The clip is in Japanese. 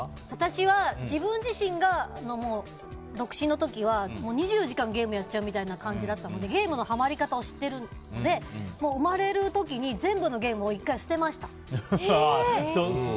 私は自分自身が独身の時は２４時間ゲームやっちゃうみたいな感じだったのでゲームのはまり方を知ってるので生まれる時に全部のゲームを１回捨てました。